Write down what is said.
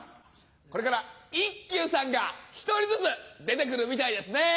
これから一休さんが１人ずつ出てくるみたいですね。